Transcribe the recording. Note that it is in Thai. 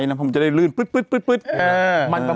มันให้สรุกษา